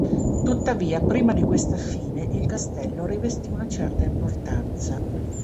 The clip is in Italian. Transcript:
Tuttavia prima di questa fine il castello rivestì una certa importanza.